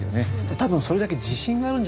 多分それだけ自信があるんじゃないですか。